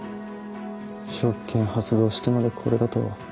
職権発動してまでこれだと。